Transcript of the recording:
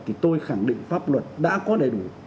thì tôi khẳng định pháp luật đã có đầy đủ